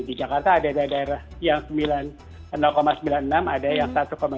di jakarta ada daerah yang sembilan puluh enam ada yang satu lima